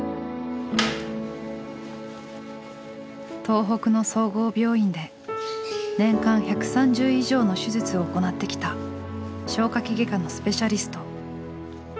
東北の総合病院で年間１３０以上の手術を行ってきた消化器外科のスペシャリスト。